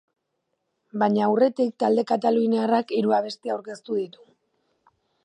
Baina aurretik, talde kataluniarrak hiru abesti aurkeztu ditu.